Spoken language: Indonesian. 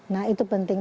nah itu penting